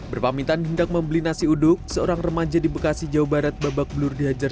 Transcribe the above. berpamitan hendak membeli nasi uduk seorang remaja di bekasi jawa barat babak belur dihajar